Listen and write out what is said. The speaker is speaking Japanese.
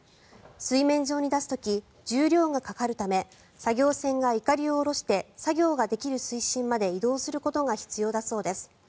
水面上に出す時重量がかかるため作業船がいかりを下ろして作業ができる水深まで移動することが必要だそうです。